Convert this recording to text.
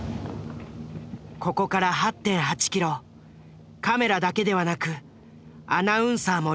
ここから８．８キロカメラだけではなくアナウンサーもリレーしていく。